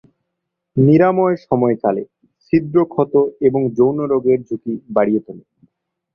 নিরাময় সময়কালে, ছিদ্র ক্ষত এবং যৌন রোগের ঝুঁকি বাড়িয়ে তোলে।